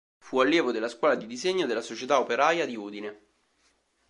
Fu allievo della Scuola di disegno della Società Operaia di Udine.